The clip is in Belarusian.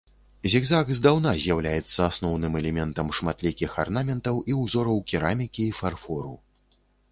Зігзаг здаўна з'яўляецца асноўным элементам шматлікіх арнаментаў і ўзораў керамікі і фарфору.